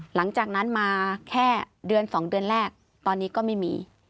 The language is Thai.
หลังจากนั้นมาแค่เดือน๒เดือนแรกตอนนี้ก็ไม่มี